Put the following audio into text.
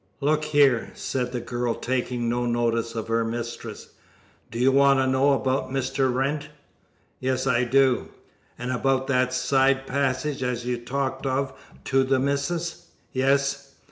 "Look here," said the girl, taking no notice of her mistress, "do you want to know about Mr. Wrent?" "Yes, I do." "And about that side passage as you talked of to the missis?" "Yes."